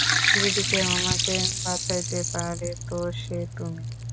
যদি কেউ আমাকে বাঁচাইতে পারে তো সে তুমি।